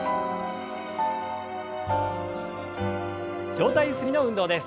上体ゆすりの運動です。